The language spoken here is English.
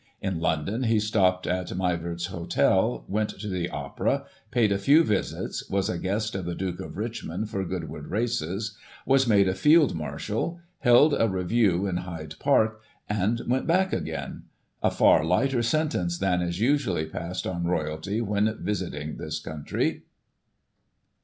In London he stopped at Mivart's Hotel, went to the Opera, paid a few visits, was a guest of the Duke of Richmond for Goodwood Races, was made a Field Marshal, held a review in Hyde Park, and went back again; a far lighter sentence than is usually passed on Royalty when visiting this country.